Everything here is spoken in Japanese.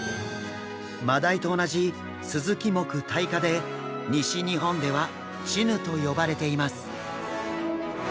マダイと同じスズキ目タイ科で西日本ではチヌと呼ばれています。